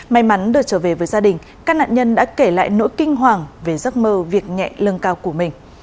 may mắn được trở về với gia đình các nạn nhân đã kể lại nỗi kinh hoàng về giấc mơ việc nhẹ lương cao của mình